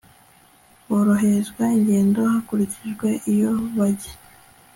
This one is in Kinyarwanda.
boroherezwa ingendo hakurikijwe iyo bajya